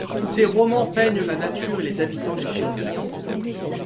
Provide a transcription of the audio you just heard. Ses romans peignent la nature et les habitants des fjords.